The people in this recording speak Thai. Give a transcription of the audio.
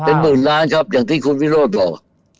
เป็นหมื่นล้านครับอย่างที่คุณวิโรธบอก